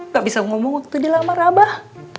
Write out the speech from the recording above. gak bisa ngomong waktu dia lama rabah